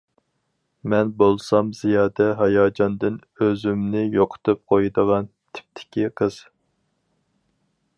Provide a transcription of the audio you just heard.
مەن بولسام زىيادە ھاياجاندىن ئۆزۈمنى يوقىتىپ قويىدىغان تىپتىكى قىز.